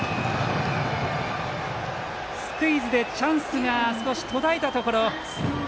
スクイズでチャンスが少し途絶えたところ。